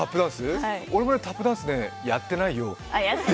俺もタップダンスねやってないよ！